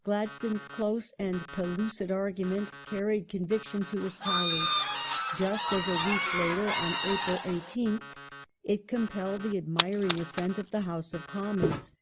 ^ Gladstone's close and pellucid argument carried con viction to his colleagues just as a week later (April 18th) it compelled the admiring assent of the House of Commons.